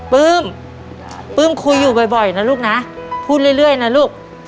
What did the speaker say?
ปื้มปื้มคุยอยู่บ่อยนะลูกนะพูดเรื่อยนะลูก